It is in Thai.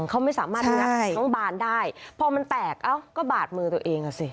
เขาไม่สามารถงัดน้องบานได้พอมันแตกเอ้าก็บาดมือตัวเองอ่ะสิ